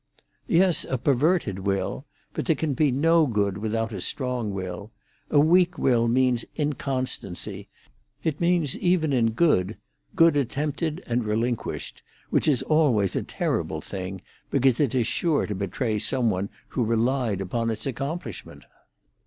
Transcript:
"Yes, a perverted will. But there can be no good without a strong will. A weak will means inconstancy. It means, even in good, good attempted and relinquished, which is always a terrible thing, because it is sure to betray some one who relied upon its accomplishment."